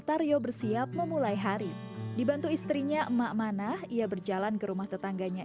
taryo bersiap memulai hari dibantu istrinya emak manah ia berjalan ke rumah tetangganya